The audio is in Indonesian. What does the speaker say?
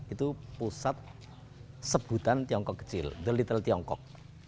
itu pusat sebutan tiongkok kecil the little tiongkok